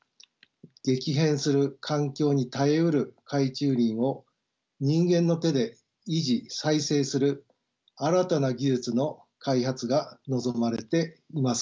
激変する環境に耐えうる海中林を人間の手で維持・再生する新たな技術の開発が望まれています。